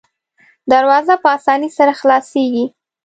دروازه په اسانۍ سره خلاصیږي.